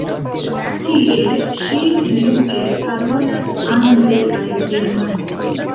Tiel ŝi flue parolas angle kaj germane.